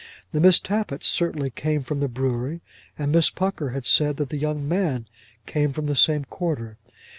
The Miss Tappitts certainly came from the brewery, and Miss Pucker had said that the young man came from the same quarter.